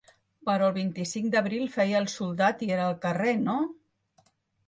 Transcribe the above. Però el vint-i-cinc d'abril feia el soldat i era al carrer, no?